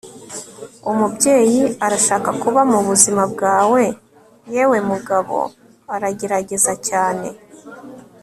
umubyeyi arashaka kuba mubuzima bwawe, yewe mugabo aragerageza cyane